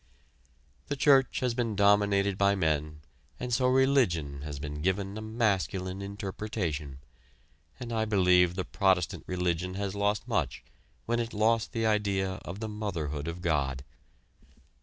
The church has been dominated by men and so religion has been given a masculine interpretation, and I believe the Protestant religion has lost much when it lost the idea of the motherhood of God.